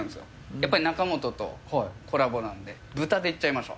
やっぱり中本とコラボなんで、豚でいっちゃいましょう。